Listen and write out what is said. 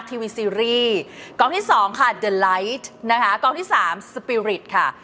ทีวีซีรีส์กล้องที่สองค่ะนะคะกล้องที่สามค่ะ